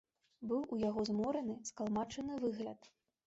Быў у яго змораны, скалмачаны выгляд.